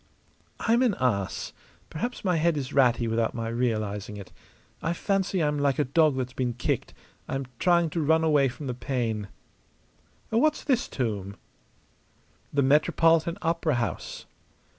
"I'm an ass. Perhaps my head is ratty without my realizing it. I fancy I'm like a dog that's been kicked; I'm trying to run away from the pain. What's this tomb?" "The Metropolitan Opera House."